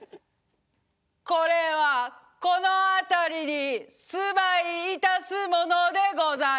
「これはこのあたりに住まいいたすものでござる」。